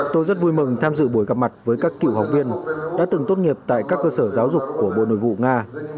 tôi rất vui mừng tham dự buổi gặp mặt với các cựu học viên đã từng tốt nghiệp tại các cơ sở giáo dục của bộ nội vụ nga